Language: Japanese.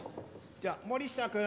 じゃあ森下君。